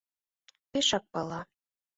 Пешак пала.